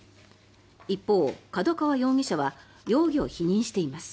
一方、角川容疑者は容疑を否認しています。